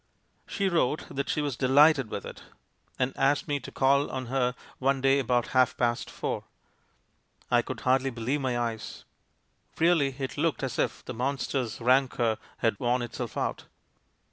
"She WTote that she was 'delighted with it/ and asked me to call on her one dav about half past four. I could hardly believe my eyes. Really, it looked as if the monster's rancour had worn itself out.